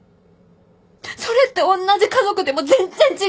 それっておんなじ家族でも全然違うよ。